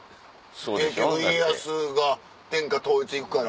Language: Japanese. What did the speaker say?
結局家康が天下統一行くから。